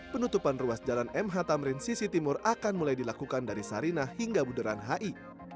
penutupan ruas jalan mh tamrin sisi timur akan mulai dilakukan dari sarinah hingga buderan hi